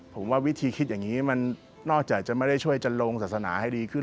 ผมว่าวิธีคิดอย่างนี้มันนอกจากจะไม่ได้ช่วยจะลงศาสนาให้ดีขึ้น